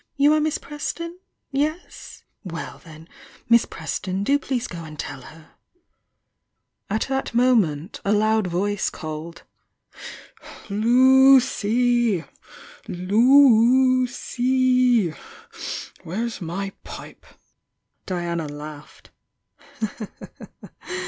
You are Miss Preston? Yes? Wdl then, Miss Preston, do please go and teU herl" At that moment, a loud voice called: "Lucy! Loo— ceel Where's my pipe?" Diana laughed.